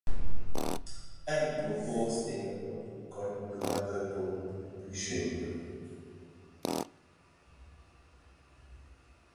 Elle propose également une école de water-polo pour les plus jeunes.